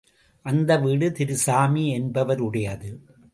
அந்த வீடு திரு சாமி என்பவருடையது.